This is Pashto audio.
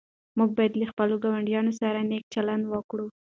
موږ باید له خپلو ګاونډیانو سره نېک چلند وکړو.